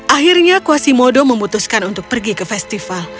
akhirnya quasimodo memutuskan untuk pergi ke festival